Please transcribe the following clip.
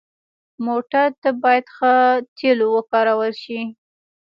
موټر ته باید ښه تیلو وکارول شي.